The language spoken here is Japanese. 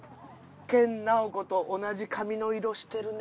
「ケン・ナオコと同じカミの色してるね